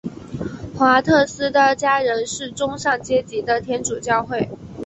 华特斯的家人是中上阶级的天主教会。